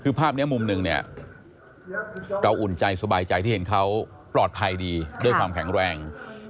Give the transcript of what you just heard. คือภาพนี้มุมหนึ่งเนี่ยเราอุ่นใจสบายใจที่เห็นเขาปลอดภัยดีด้วยความแข็งแรง